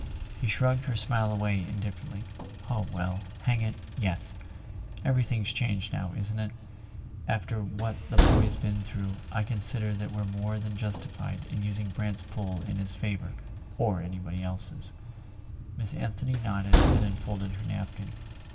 He shrugged her smile away indifferently. "Oh, well—hang it, yes! Everything's changed now, isn't it? After what the boy's been through I consider that we're more than justified in using Brant's pull in his favour—or anybody else's." Miss Anthony nodded and unfolded her napkin.